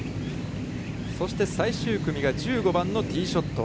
そして最終組が１５番のティーショット。